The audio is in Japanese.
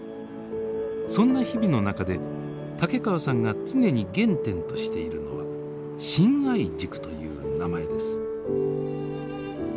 そんな日々の中で竹川さんが常に原点としているのは「信愛塾」という名前です。